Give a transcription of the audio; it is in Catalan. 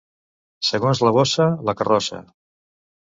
Segons la bossa, la carrossa.